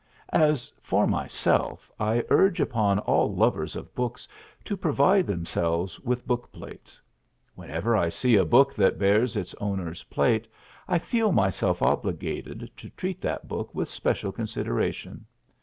As for myself, I urge upon all lovers of books to provide themselves with bookplates. Whenever I see a book that bears its owner's plate I feel myself obligated to treat that book with special consideration.